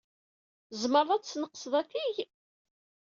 Tzemred ad d-tesneqsed atig?